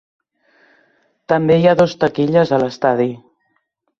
També hi ha dos taquilles a l'estadi.